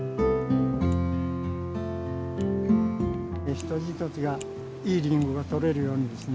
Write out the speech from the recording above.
一つ一つがいいりんごが取れるようにですね